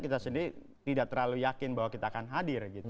kita sendiri tidak terlalu yakin bahwa kita akan hadir